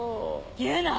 言うな！